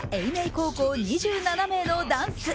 高校２７名のダンス。